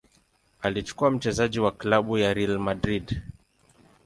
Alikuwa mchezaji wa klabu ya Real Madrid.